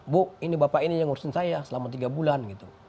bu ini bapak ini yang ngurusin saya selama tiga bulan gitu